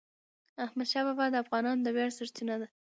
احمدشاه بابا د افغانانو د ویاړ سرچینه ده.